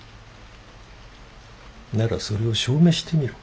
ならそれを証明してみろ。